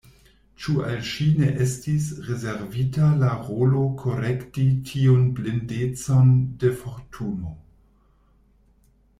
Ĉu al ŝi ne estis rezervita la rolo korekti tiun blindecon de Fortuno.